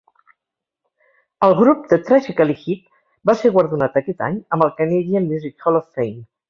El grup The Tragically Hip va ser guardonat aquest any amb el Canadian Music Hall of Fame.